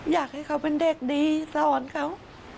อยากให้เขาเป็นเด็กดีสอนเขา